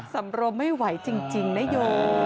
สำรงไม่ไหวจริงนะโย